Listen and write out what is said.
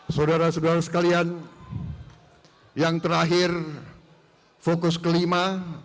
saudara saudara sekalian yang terakhir fokus kelima